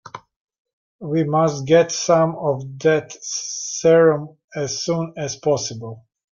We must get some of that serum as soon as possible.